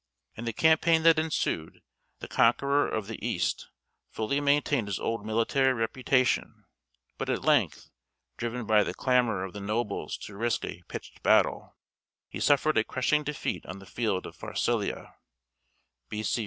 In the campaign that ensued, the conqueror of the East fully maintained his old military reputation; but at length, driven by the clamor of the nobles to risk a pitched battle, he suffered a crushing defeat on the field of Pharsalia (B.C.